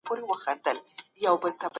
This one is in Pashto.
له ماتحتانو سره نرم اوسئ.